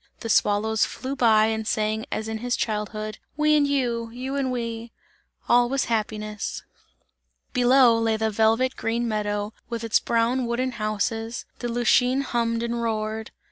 The swallows flew by and sang as in his childhood: "We and you, and You and we!" All was happiness. Below lay the velvet green meadow, with its brown wooden houses, the Lütschine hummed and roared.